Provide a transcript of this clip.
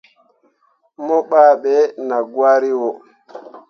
Mo baɓɓe naa gwari wo.